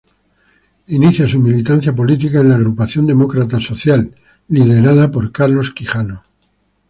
Inicia su militancia política en la Agrupación Demócrata Social, liderada por Carlos Quijano.